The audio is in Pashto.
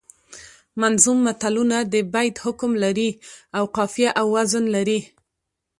منظوم متلونه د بیت حکم لري او قافیه او وزن لري